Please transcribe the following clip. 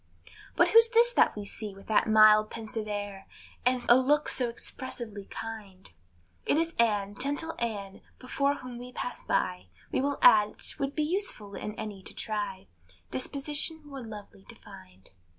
But who's this that we see, with that mild pensive air, And a look so expressively kind? It is Ann, gentle Ann, before whom we pass by, We will add 't would be useless in any to try Disposition more lovely to find.